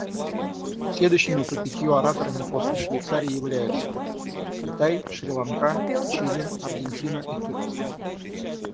Следующими пятью ораторами после Швейцарии являются: Китай, Шри-Ланка, Чили, Аргентина и Турция.